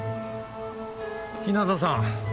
日向さん